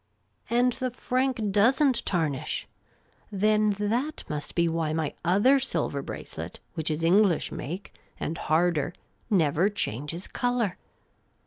"" And the franc does n't tarnish ! Then that must be why my other silver bracelet, which is English make, and harder, never changes colour